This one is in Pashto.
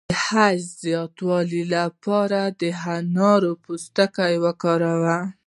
د حیض د زیاتوالي لپاره د انار پوستکی وکاروئ